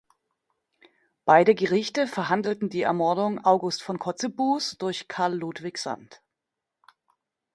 Beide Gerichte verhandelten die Ermordung August von Kotzebues durch Karl Ludwig Sand.